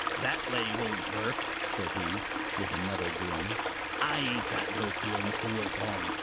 "That lay won't work," said he, with another grin. "I ain't got no feelings to work on.